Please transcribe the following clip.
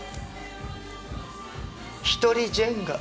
一人ジェンガ。